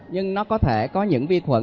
nhưng nó có thể có những vi khuẩn